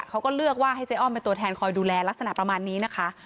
เขาก็เลือกว่าให้เจ๊อ้อมเป็นตัวแทนคอยดูแลลักษณะประมาณนี้นะคะ